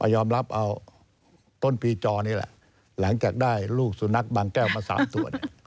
ยอมรับเอาต้นปีจอนี่แหละหลังจากได้ลูกสุนัขบางแก้วมา๓ตัวเนี่ย